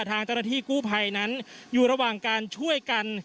ทางเจ้าหน้าที่กู้ภัยนั้นอยู่ระหว่างการช่วยกัน